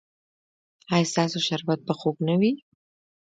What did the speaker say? ایا ستاسو شربت به خوږ نه وي؟